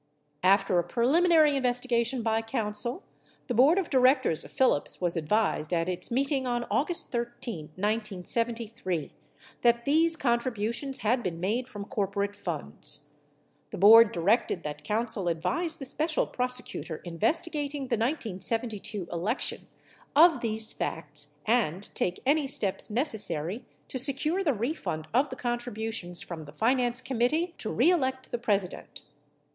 After a preliminary investigation by counsel, the board of directors of Phillips was advised at its meeting on August 13, 1973, that these contributions had been made from corporate funds. The board directed that counsel advise the Special Prosecutor investigating the 1972 elec tion of these facts and take any steps necessary to secure the refund of the contributions from the Finance Committee To Re Elect the Presi dent.